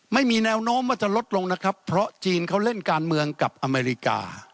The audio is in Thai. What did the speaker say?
ไม่มีแนวโน้มว่าจะลดลงนะครับเพราะจีนเขาเล่นการเมืองกับอเมริกา